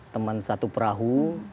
teman satu perahu